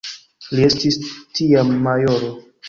Li estis tiam majoro.